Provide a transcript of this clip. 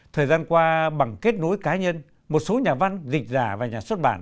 thời gian qua bằng kết nối cá nhân một số nhà văn dịch giả và nhà xuất bản